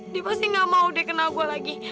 dia pasti gak mau deh kenal gue lagi